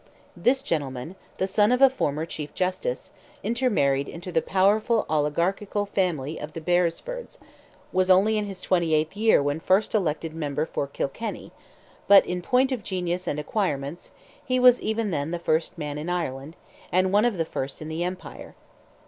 This gentleman, the son of a former Chief Justice, intermarried into the powerful oligarchical family of the Beresfords, was only in his 28th year when first elected member for Kilkenny; but, in point of genius and acquirements, he was even then the first man in Ireland, and one of the first in the empire.